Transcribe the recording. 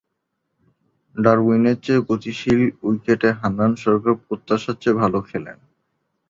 Darwin এর চেয়ে গতিশীল উইকেটে হান্নান সরকার প্রত্যাশার চেয়ে ভাল খেলেন।